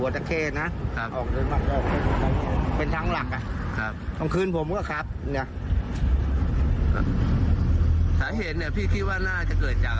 ที่จะเกิดอุบัติเหตุไม่รับเค้า